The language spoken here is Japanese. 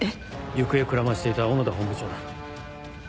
行方をくらましていた小野田本部長だ。